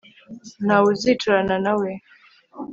Ntawe uzicarana nawe